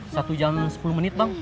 satu jam sepuluh menit bang